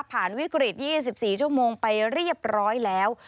วิกฤต๒๔ชั่วโมงไปเรียบร้อยแล้ว